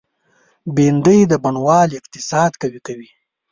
بېنډۍ د بڼوال اقتصاد قوي کوي